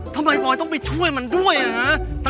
ทำไมบอยต้องไปช่วยมันด้วยอ่ะฮะ